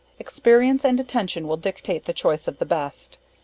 Experience and attention will dictate the choice of the best.